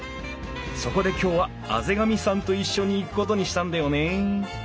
そこで今日は畔上さんと一緒に行くことにしたんだよね。